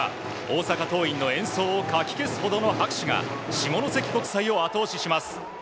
大阪桐蔭の演奏をかき消すほどの拍手が下関国際を後押しします。